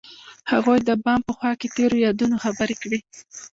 هغوی د بام په خوا کې تیرو یادونو خبرې کړې.